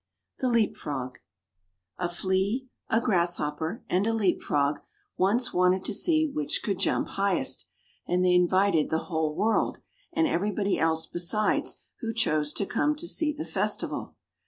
THE LEAP FROG A Flea, a Grasshopper, and a Leap frog once wanted to see which could jump highest; and they invited the whole world, and everybody else besides who chose to come to see the festival.